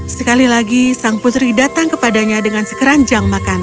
sekali lagi sang putri datang kepadanya dengan sekeranjang makanan